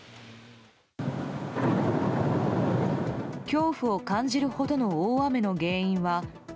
恐怖を感じるほどの大雨の原因は。